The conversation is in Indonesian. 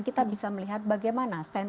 kita bisa melihat bagaimana stand